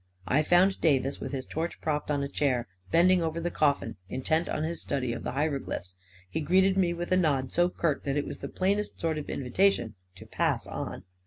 I found Davis, with his torch propped on a chair, bending over the coffin, intent on his study of the hieroglyphics ; he greeted me with a nod so curt that it was the plainest sort of invitation to pass on.